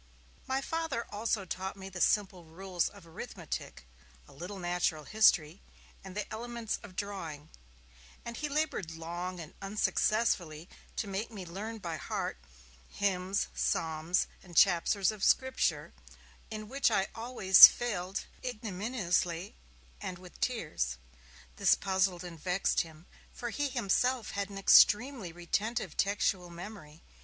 My father also taught me the simple rules of arithmetic, a little natural history, and the elements of drawing; and he laboured long and unsuccessfully to make me learn by heart hymns, psalms and chapters of Scripture, in which I always failed ignominiously and with tears. This puzzled and vexed him, for he himself had an extremely retentive textual memory.